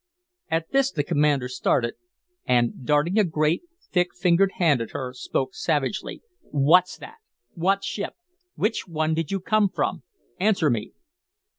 At this the commander started, and, darting a great, thick fingered hand at her, spoke savagely: "What's that? What ship? Which one did you come from? Answer me."